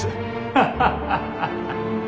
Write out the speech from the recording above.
ハハハハハ。